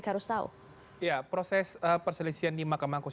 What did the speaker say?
karena sudah kamera gesprochen hapus